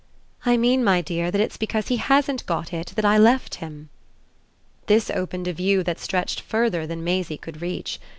"I mean, my dear, that it's because he HASN'T got it that I left him." This opened a view that stretched further than Maisie could reach.